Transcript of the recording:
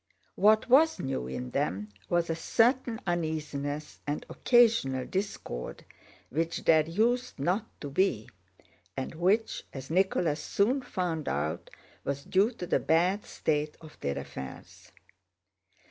What was new in them was a certain uneasiness and occasional discord, which there used not to be, and which, as Nicholas soon found out, was due to the bad state of their affairs.